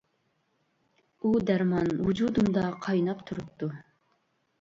ئۇ دەرمان ۋۇجۇدۇمدا قايناپ تۇرۇپتۇ!!